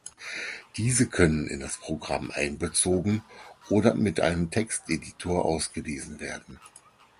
Diese können in das Programm einbezogen oder mit einem Texteditor ausgelesen werden.